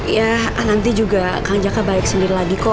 ya nanti juga kang jaka baik sendiri lagi kok